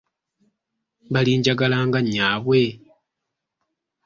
Balinjagala nga nnyaabwe?